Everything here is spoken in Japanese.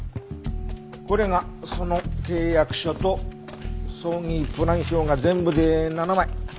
これがその契約書と葬儀プラン表が全部で７枚。